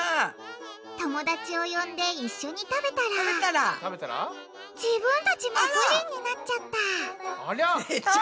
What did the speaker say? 友達を呼んで一緒に食べたら自分たちもぷりんになっちゃったありゃ！